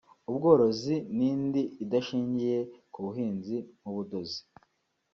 ubworozi n’indi idashingiye ku buhinzi nk’ubudozi